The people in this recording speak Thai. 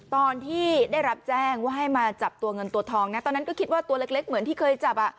ตอนที่ได้รับแจ้งว่าให้มาจับตัวเงินตัวทองนะตอนนั้นก็คิดว่าตัวเล็กเหมือนที่เคยจับ